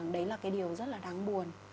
đấy là cái điều rất là đáng buồn